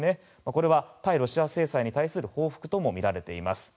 これは対ロシア制裁に対する報復とみられています。